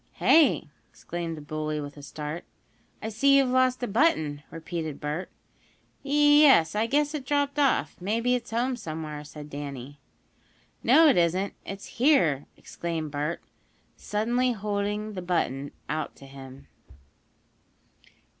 "Hey?" exclaimed the bully, with a start. "I see you've lost a button," repeated Bert. "Yes, I guess it dropped off. Maybe it's home somewhere," said Danny. "No, it isn't it's here!" exclaimed Bert, suddenly holding the button out to him.